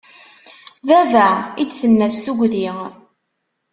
Baba! I d-tenna s tugdi.